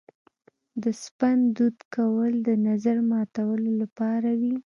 د سپند دود کول د نظر ماتولو لپاره وي.